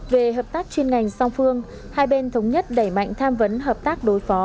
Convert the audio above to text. về hợp tác chuyên ngành song phương hai bên thống nhất đẩy mạnh tham vấn hợp tác đối phó